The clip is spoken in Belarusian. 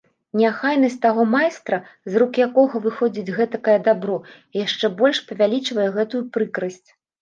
Неахайнасць таго майстра, з рук якога выходзіць гэтакае дабро, яшчэ больш павялічвае гэтую прыкрасць.